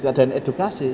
nggak ada yang edukasi